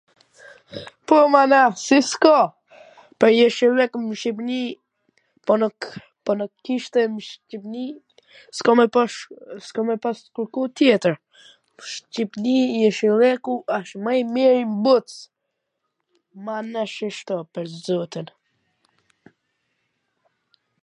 po mana si s'ka, po jeshilleku n Shqipni, po tw po tw kishte n Shqipni, s' ka me pas s'ka me pas kurrkund tjetwr, n Shqipni jeshilleku asht mw i miri n bot, mana ... per zotin